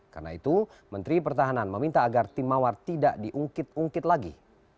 karena itu menteri pertahanan meminta agar tim mawar tidak diungkit ungkit lagi